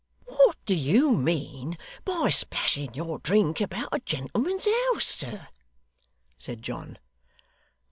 'What do you mean by splashing your drink about a gentleman's house, sir?' said John.